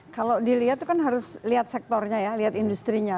kalau dilihat itu kan harus lihat sektornya ya lihat industri nya